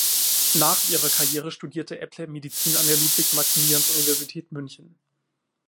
Nach ihrer Karriere studierte Epple Medizin an der Ludwig-Maximilians-Universität München.